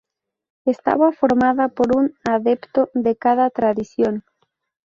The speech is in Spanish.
Estaba formada por un adepto de cada Tradición.